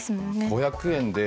５００円で。